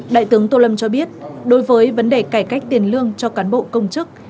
đại tướng tô lâm cho biết đối với vấn đề cải cách tiền lương cho cán bộ công chức